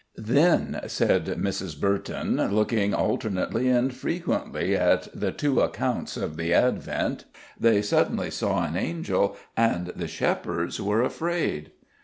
"Then," said Mrs. Burton, looking alternately and frequently at the two accounts of the Advent, "they suddenly saw an angel, and the shepherds were afraid."